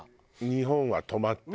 日本は止まった。